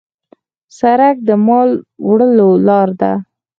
سړک د مال وړلو لار ده.